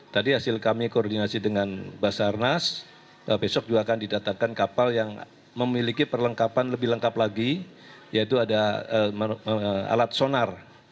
tadi hasil kami koordinasi dengan basarnas besok juga akan didatangkan kapal yang memiliki perlengkapan lebih lengkap lagi yaitu ada alat sonar